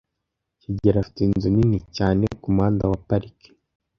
kigeli afite inzu nini cyane kumuhanda wa Park.